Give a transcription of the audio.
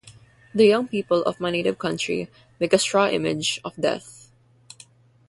The young people of my native country make a straw image of Death.